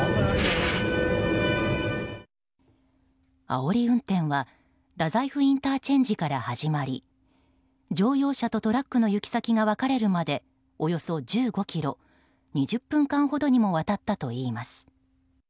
あおり運転は大宰府ＩＣから始まり乗用車とトラックの行き先が分かれるまでおよそ１５ｋｍ２０分間ほどにわたったといいます。